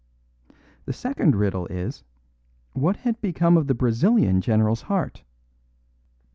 The second riddle is, what had become of the Brazilian general's heart?